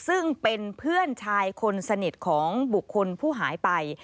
ซึ่งเป็นเพื่อนชายคนสนิทของบุคคลผู้หายไป